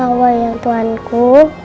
wawal yang tuanku